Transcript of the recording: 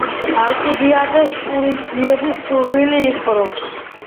ალკიბიადეს შურისძიების სურვილი იპყრობს.